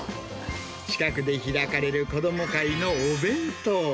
近くで開かれる子ども会のお弁当。